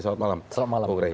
selamat malam bung rey